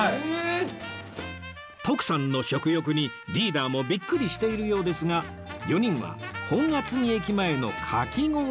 徳さんの食欲にリーダーもビックリしているようですが４人は本厚木駅前のかき氷屋さんへ